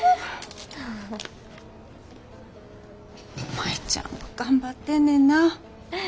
舞ちゃん頑張ってんねんなぁ。